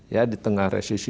ya di tengah resusi dua